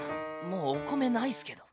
もうお米ないっすけど。